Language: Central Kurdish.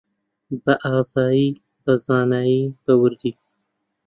بەئازایی، بەزانایی، بەوردی